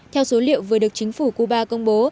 theo số liệu vừa được chính phủ cuba công bố